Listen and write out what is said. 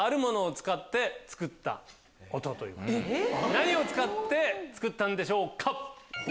何を使って作ったんでしょうか？